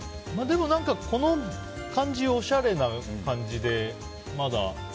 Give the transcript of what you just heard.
でもこの感じおしゃれな感じでまだ。